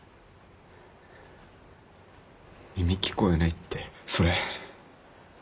耳聞こえないってそれ。